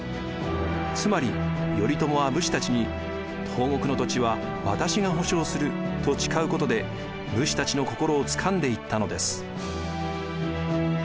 つまり頼朝は武士たちに「東国の土地は私が保証する」と誓うことで武士たちの心をつかんでいったのです。